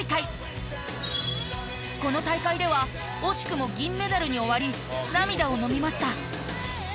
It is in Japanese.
この大会では惜しくも銀メダルに終わり涙をのみました。